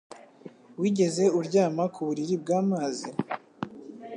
Wigeze uryama ku buriri bw'amazi?